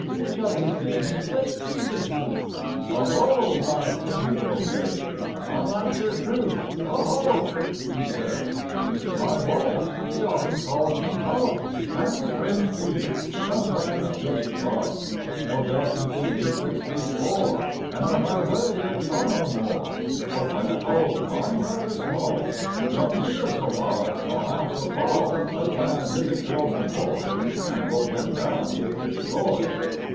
Which of these names best pleases you'?'' " 0 ho ! my pretty little maid. I'll answer true, 0 ho !" he said. Copyrighted, 1897. Y wife, she often calls me hub, ^ And, strange to you, sometimes just bub, No doubt you think me six feet, four, And that I weigh a ton or more, But when at home I'm rather small, Not near so large nor half so tall As when I visit girls and boys And load them down with pretty toys."